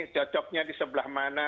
cocoknya di sebelah mana